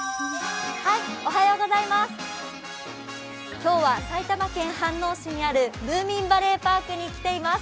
今日は埼玉県飯能市にあるムーミンバレーパークに来ています。